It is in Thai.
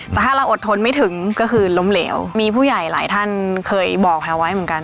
แต่ถ้าเราอดทนไม่ถึงก็คือล้มเหลวมีผู้ใหญ่หลายท่านเคยบอกแพลวไว้เหมือนกัน